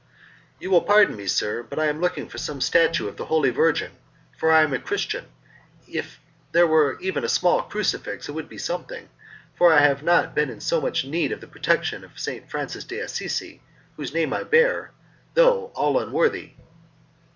"You will pardon me, sir, but I am looking for some statue of the Holy Virgin, for I am a Christian; if there were even a small crucifix it would be something, for I have never been in so much need of the protection of St. Francis d'Assisi, whose name I bear, though all unworthy."